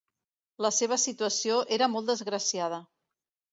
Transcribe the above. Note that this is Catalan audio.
La seva situació era molt desgraciada.